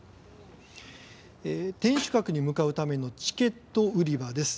天守閣に向かうためのチケット売り場です。